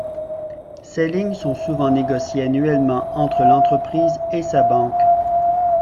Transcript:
Ces lignes sont souvent négociées annuellement entre l'entreprise et sa banque.